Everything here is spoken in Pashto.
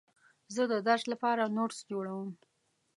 زه د درس لپاره نوټس جوړوم.